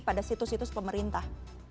pada situs situs pemerintah